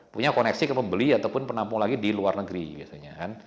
punya koneksi ke pembeli ataupun penampung lagi di luar negeri biasanya kan